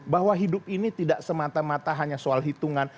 bahwa hidup ini tidak semata mata hanya soal hitungan